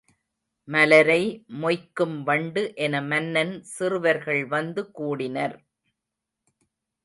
மலரை மொய்க்கும் வண்டு என மன்னன் சிறுவர்கள் வந்து கூடினர்.